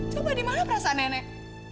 coba dimana perasaan nenek